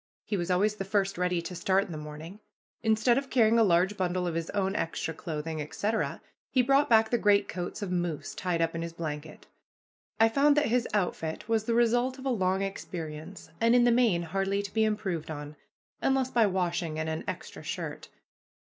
He was always the first ready to start in the morning. Instead of carrying a large bundle of his own extra clothing, etc., he brought back the greatcoats of moose tied up in his blanket. I found that his outfit was the result of a long experience, and in the main hardly to be improved on, unless by washing and an extra shirt.